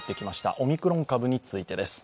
オミクロン株についてです。